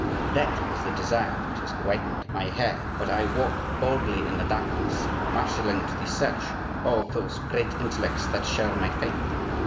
That is the desire which has whitened my hair; but I walk boldly in the darkness, marshalling to the search all those great intellects that share my faith.